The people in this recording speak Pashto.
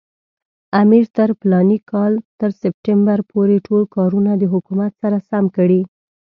امیر تر فلاني کال تر سپټمبر پورې ټول کارونه د حکومت سره سم کړي.